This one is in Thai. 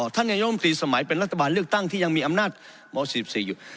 นายมตรีสมัยเป็นรัฐบาลเลือกตั้งที่ยังมีอำนาจม๔๔อยู่